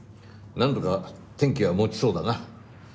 なんとか天気は持ちそうだな。